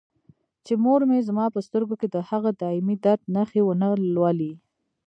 چې مور مې زما په سترګو کې د هغه دایمي درد نښې ونه لولي.